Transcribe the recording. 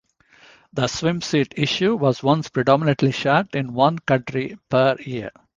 The swimsuit issue was once predominantly shot in one country per year.